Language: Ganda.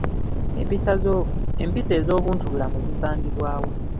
Empisa ez'obuntubulamu zisangibwa wa?